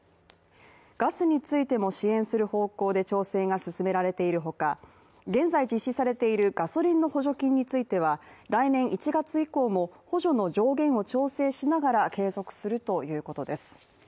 ガスについても支援する方向で調整が進められているほか現在、実施されているガソリンの補助金については来年１月以降も補助の上限を調整しながら継続するということです。